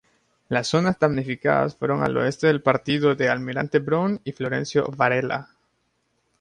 Las zonas damnificadas fueron el Oeste del Partido de Almirante Brown y Florencio Varela.